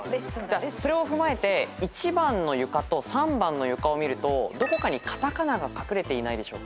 それを踏まえて１番の床と３番の床を見るとどこかに片仮名が隠れていないでしょうか？